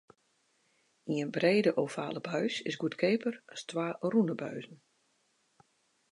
Ien brede ovale buis is goedkeaper as twa rûne buizen.